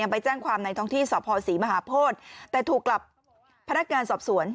ไปแจ้งความในท้องที่สภศรีมหาโพธิแต่ถูกกลับพนักงานสอบสวน